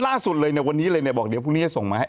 ล่าสุดเลยเนี่ยวันนี้เลยเนี่ยบอกเดี๋ยวพรุ่งนี้จะส่งมาให้